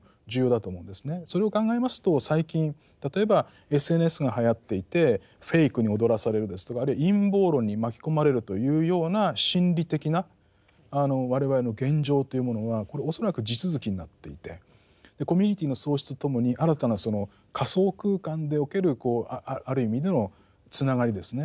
それを考えますと最近例えばＳＮＳがはやっていてフェイクに踊らされるですとかあるいは陰謀論に巻き込まれるというような心理的な我々の現状というものはこれ恐らく地続きになっていてコミュニティーの創出とともに新たなその仮想空間でおけるある意味でのつながりですね